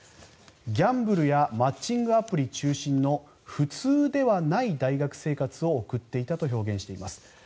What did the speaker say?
ギャンブルやマッチングアプリ中心の普通ではない大学生活を送っていたと表現しています。